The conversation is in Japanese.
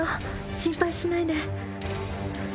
心配しないで。